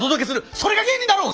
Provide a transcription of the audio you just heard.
それが芸人だろう！